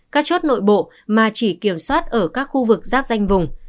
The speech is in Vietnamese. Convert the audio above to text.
các chốt nội bộ mà chỉ kiểm soát ở các khu vực giáp danh vùng